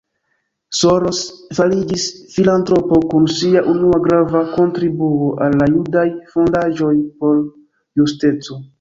Soros fariĝis filantropo kun sia unua grava kontribuo al la Judaj Fondaĵoj por Justeco.